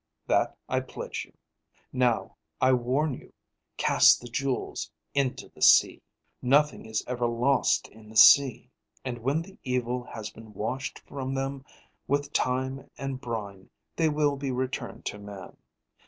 That I pledge you. Now, I warn you; cast the jewels into the sea. "Nothing is ever lost in the sea, and when the evil has been washed from them with time and brine, they will be returned to man.